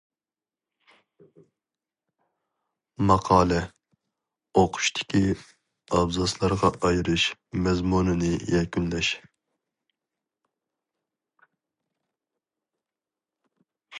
ماقالە ئوقۇشتىكى ئابزاسلارغا ئايرىش، مەزمۇنىنى يەكۈنلەش.